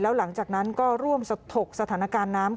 แล้วหลังจากนั้นก็ร่วมถกสถานการณ์น้ำ